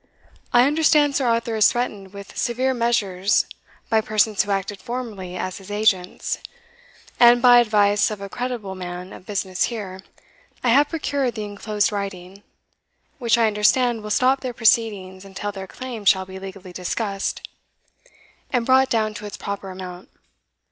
I understand Sir Arthur is threatened with severe measures by persons who acted formerly as his agents; and, by advice of a creditable man of business here, I have procured the enclosed writing, which I understand will stop their proceedings until their claim shall be legally discussed, and brought down to its proper amount.